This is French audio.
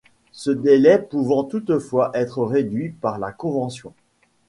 Ce délai pouvant toutefois être réduit par la convention.